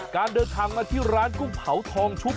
การเดินทางมาที่ร้านกุ้งเผาทองชุบ